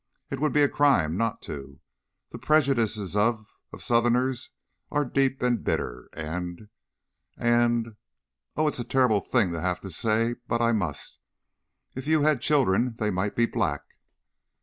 It would be a crime not to. The prejudices of of Southerners are deep and bitter; and and Oh, it is a terrible thing to have to say but I must if you had children they might be black."